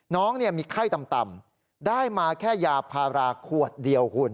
น้องมีไข้ต่ำได้มาแค่ยาพาราขวดเดียวคุณ